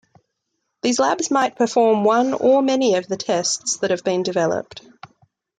These labs might perform one or many of the tests that have been developed.